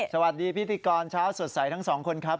สวัสดีพิธีกรเช้าสดใสทั้งสองคนครับ